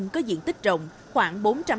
có diện tích rộng khoảng